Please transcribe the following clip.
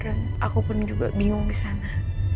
dan aku pun juga bingung disana